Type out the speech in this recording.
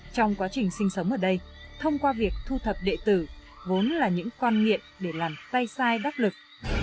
trong quá trình sinh sống ở đây thông qua việc thu thập địa tử vốn là những quan nghiện để làm tay sai đắc lực